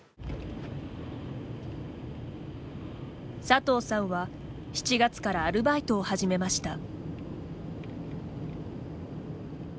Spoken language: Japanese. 佐藤さんは７月からアルバイトを始めました。